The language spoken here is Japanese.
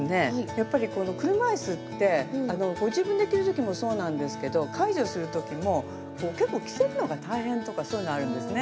やっぱり車いすってご自分で着る時もそうなんですけど介助する時も結構着せるのが大変とかそういうのあるんですね。